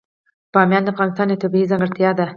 بامیان د افغانستان یوه طبیعي ځانګړتیا ده.